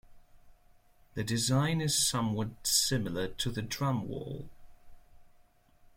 The design is somewhat similar to the drum wall.